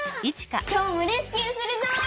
きょうもレスキューするぞ！